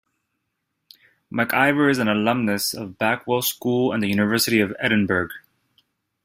McIver is an alumnus of Backwell School and the University of Edinburgh.